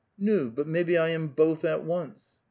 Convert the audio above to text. *' Nu^ but maybe I am both at once."